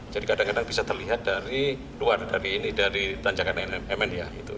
jadi kadang kadang bisa terlihat dari luar dari tanjakan mn